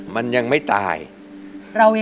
มันยังไม่ตาย